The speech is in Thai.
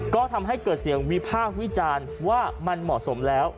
ก็ทำให้เกิดเสียงวิพากษ์วิจารณ์ว่ามันเหมาะสมแล้ว